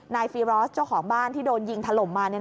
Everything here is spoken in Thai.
ฟีรอสเจ้าของบ้านที่โดนยิงถล่มมา